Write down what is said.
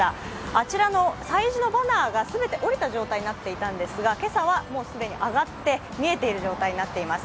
あちらの催事のバナーが全て下りた状態だったんですが、今朝は既に上がって見えている状態になっています。